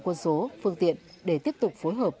quân số phương tiện để tiếp tục phối hợp